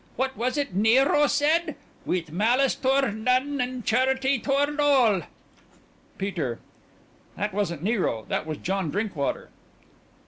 What was it Nero said? "With malice toward none, with charity toward all " PETER: That wasn't Nero. That was John Drinkwater.